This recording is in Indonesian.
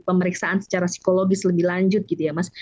pemeriksaan secara psikologis lebih lanjut gitu ya mas